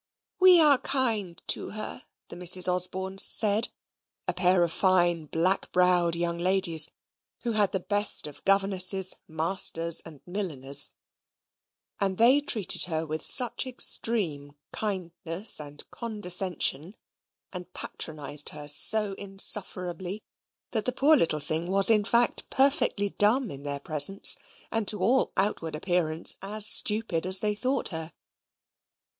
"We are kind to her," the Misses Osborne said, a pair of fine black browed young ladies who had had the best of governesses, masters, and milliners; and they treated her with such extreme kindness and condescension, and patronised her so insufferably, that the poor little thing was in fact perfectly dumb in their presence, and to all outward appearance as stupid as they thought her.